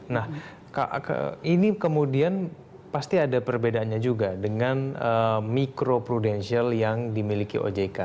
nah ini kemudian pasti ada perbedaannya juga dengan mikro prudensial yang dimiliki ojk